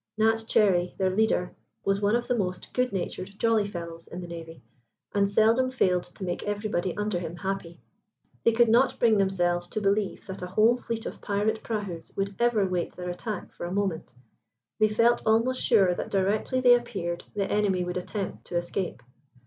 Nat Cherry, their leader, was one of the most good natured, jolly fellows in the navy, and seldom failed to make everybody under him happy. They could not bring themselves to believe that a whole fleet of pirate prahus would ever wait their attack for a moment, they felt almost sure that directly they appeared the enemy would attempt to escape.